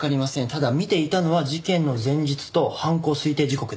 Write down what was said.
ただ見ていたのは事件の前日と犯行推定時刻です。